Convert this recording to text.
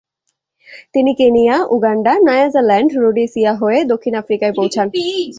তিনি Kenya, Uganda, Nyasaland, Rhodesia হয়ে দক্ষিণ আফ্রিকায় পৌঁছান।